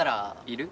いる？